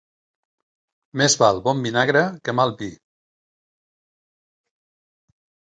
Més val bon vinagre que mal vi.